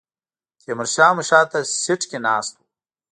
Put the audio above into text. تیمور شاه مو شاته سیټ کې ناست و.